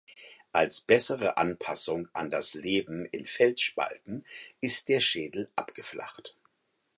Als bessere Anpassung an das Leben in Felsspalten ist der Schädel abgeflacht.